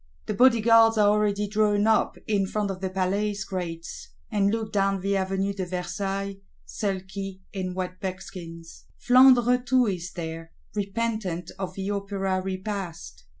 The Bodyguards are already drawn up in front of the Palace Grates; and look down the Avenue de Versailles; sulky, in wet buckskins. Flandre too is there, repentant of the Opera Repast.